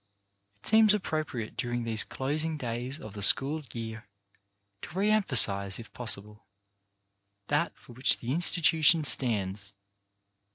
It seems appropriate during these closing days of the school year to re emphasize, if possible, that for which the institution stands.